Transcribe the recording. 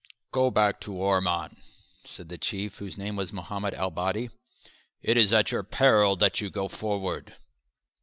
] "Go back to Orman," said the Chief, whose name was Mohammed el Bady, "it is at your peril that you go forward."